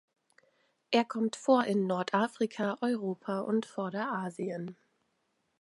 Er kommt vor in Nordafrika, Europa und Vorderasien.